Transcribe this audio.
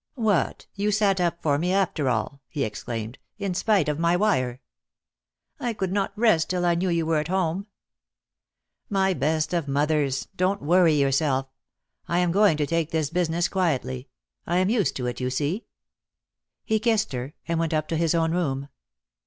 "What, you sat up for me after all," he ex claimed, "in spite of my wdre." "I could not rest till I knew you were at home." J '_'':.:•,..•.•' "My best of mothers, don't worry yourself. I am going to take this business quietly. I am used to it, you see." He kissed her, and went up to his own room.